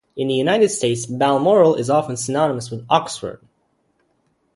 In the United States, "Balmoral" is often synonymous with "Oxford".